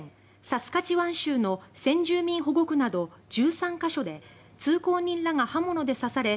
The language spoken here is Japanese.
サスカチワン州の先住民保護区など１３か所で通行人らが刃物で刺され